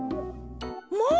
まあ。